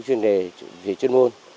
hai mươi chuyên đề chuyên môn